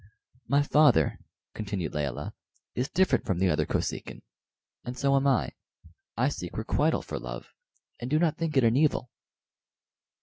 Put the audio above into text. "My father," continued Layelah, "is different from the other Kosekin, and so am I. I seek requital for love, and do not think it an evil."